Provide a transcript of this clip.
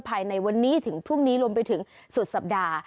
ภายในวันนี้ถึงพรุ่งนี้รวมไปถึงสุดสัปดาห์